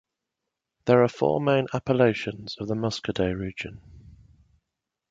There are four main appellations of the Muscadet region.